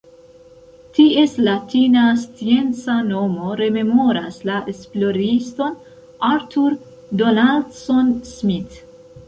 Ties latina scienca nomo rememoras la esploriston Arthur Donaldson-Smith.